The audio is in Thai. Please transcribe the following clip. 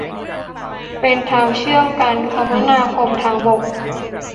เป็นทางเชื่อมการคมนาคมทางบก